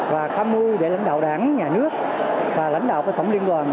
và tham mưu để lãnh đạo đảng nhà nước và lãnh đạo tổng liên đoàn